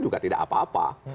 juga tidak apa apa